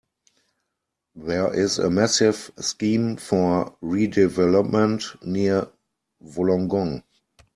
There is a massive scheme for redevelopment near Wollongong.